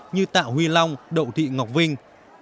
như tạo huy long đậu thị ngọc vinh